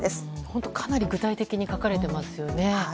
本当かなり具体的に書かれていますよね。